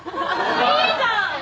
いいじゃん。